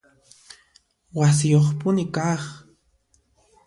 Wasiyuqpuni kaq